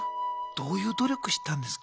どういう努力したんですか？